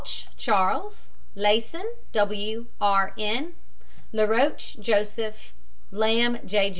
LAUCH, CHARLES. LEYSON, R. W. N. LAROCHE, JOSEPH. LAMB, J.